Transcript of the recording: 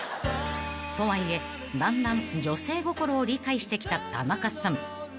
［とはいえだんだん女性心を理解してきた田中さん］